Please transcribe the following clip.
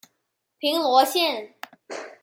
平罗线